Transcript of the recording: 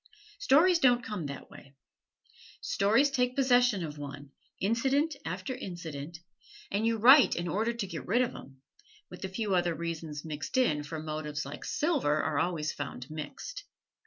Stories don't come that way. Stories take possession of one incident after incident and you write in order to get rid of 'em with a few other reasons mixed in, for motives, like silver, are always found mixed.